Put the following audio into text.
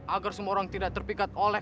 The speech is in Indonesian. agar semua orang tidak terpikat oleh